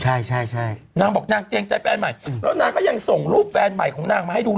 ใช่ใช่ใช่นางบอกนางเกรงใจแฟนใหม่แล้วนางก็ยังส่งรูปแฟนใหม่ของนางมาให้ดู